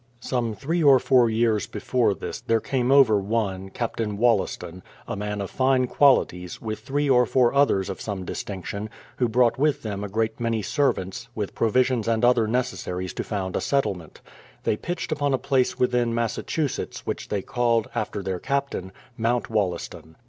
Some three or four years before this there came over one. Captain Wollaston, a man of fine qualities, with three or four others of some distinction, who brought with 194 BRADFORD'S HISTORY OP them a great many servants, with provisions and other necessaries to found a settlement. They pitched upon a place within Massachusetts, which they called, after their Captain, Mount Wollaston.